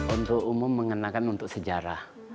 untuk umum mengenakan untuk sejarah